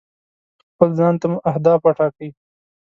خپل ځان ته مو اهداف ټاکئ.